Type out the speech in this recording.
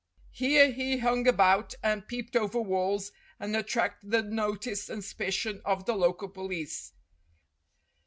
Here he hung about and peeped over walls, and attracted the notice and suspicion of the local police.